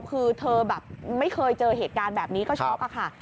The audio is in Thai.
คือเธอแบบไม่เคยเจอเหตุการณ์แบบนี้ก็ช็อกอะค่ะ